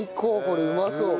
これうまそう。